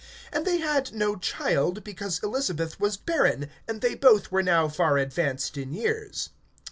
(7)And they had no child, because Elisabeth was barren; and they both were now far advanced in years.